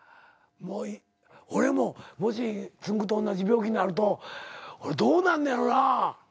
俺ももしつんく♂と同じ病気になるとどうなんのやろな。